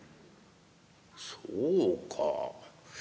「そうか。